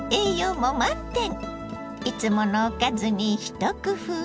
いつものおかずに一工夫。